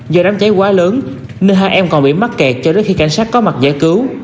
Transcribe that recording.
do đám cháy quá lớn nên hai em còn bị mắc kẹt cho đến khi cảnh sát có mặt giải cứu